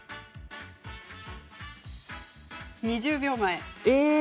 ２０秒前。